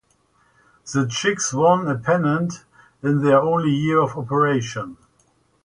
The Chicks won a pennant in their only year of operation.